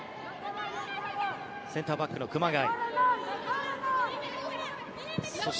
センターバックの熊谷。